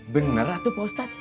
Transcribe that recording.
bener atuh pak ustadz